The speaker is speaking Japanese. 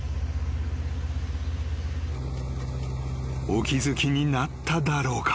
［お気付きになっただろうか？］